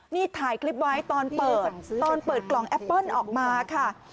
นี่ถ่ายคลิปไว้ตอนเปิดตอนเปิดกล่องแอปเปิ้ลออกมาค่ะ